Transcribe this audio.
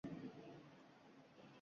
Ishga borasizmi o`zi